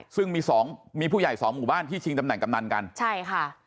ซึ่งมีสองมีผู้ใหญ่สองหมู่บ้านที่ชิงตำแหนกำนันกันใช่ค่ะ